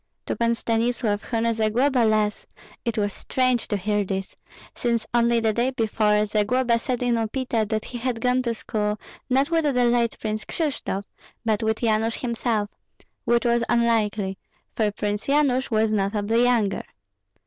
To Pan Stanislav, who knew Zagloba less, it was strange to hear this, since only the day before, Zagloba said in Upita that he had gone to school, not with the late Prince Kryshtof, but with Yanush himself, which was unlikely, for Prince Yanush was notably younger.